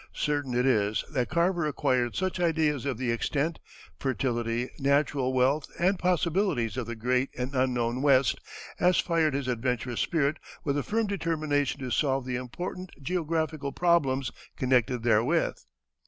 Certain it is that Carver acquired such ideas of the extent, fertility, natural wealth, and possibilities of the great and unknown West as fired his adventurous spirit with a firm determination to solve the important geographical problems connected therewith.